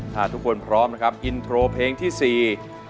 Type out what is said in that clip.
ถ้าทุกคนพร้อมนะครับอินโทรเพลงที่สี่